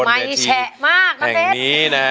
ไม่แชะมากน้ำเพชร